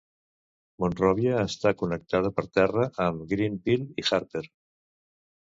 Monròvia està connectada per terra amb Greenville i Harper.